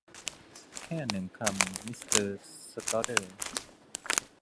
แค่หนึ่งคำ มิสเตอร์สคัดเดอร์